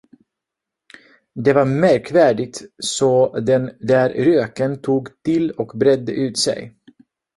Det var märkvärdigt så den där röken tog till och bredde ut sig.